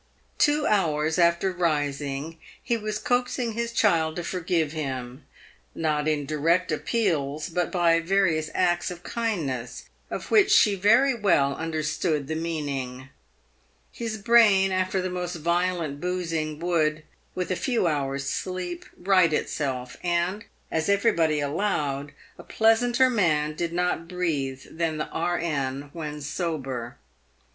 Two hours after rising, he was coaxing his child to forgive him, not in direct appeals, but by various acts of kindness of which she very well understood the mean ing. His brain, after the most violent boozing, would, with a few hours' sleep, right itself, and, as everybody allowed, a pleasanter man did not breathe than the E.N. when sober.